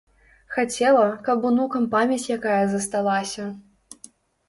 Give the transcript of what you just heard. Хацела, каб унукам памяць якая засталася.